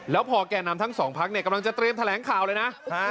แล้วพอแก่นำทั้งสองพักเนี่ยกำลังจะเตรียมแถลงข่าวเลยนะ